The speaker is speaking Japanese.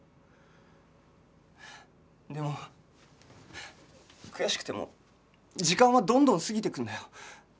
でも悔しくても時間はどんどん過ぎていくんだよ。